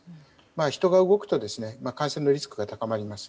人が動くと感染のリスクが高まります。